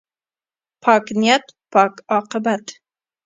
پاک نیت، پاک عاقبت.